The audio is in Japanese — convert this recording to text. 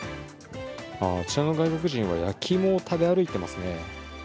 あちらの外国人は、焼き芋を食べ歩いてますね。